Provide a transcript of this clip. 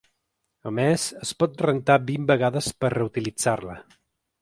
A més, es pot rentar vint vegades per reutilitzar-la.